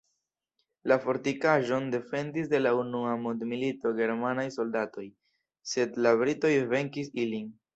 La fortikaĵon defendis en la unua mondmilito germanaj soldatoj, sed la britoj venkis ilin.